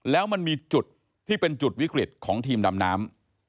แล้วมันมีจุดที่เป็นจุดวิกฤตของทีมดำน้ำ